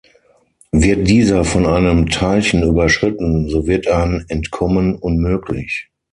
Wird dieser von einem Teilchen überschritten, so wird ein Entkommen unmöglich.